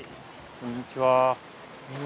こんにちは。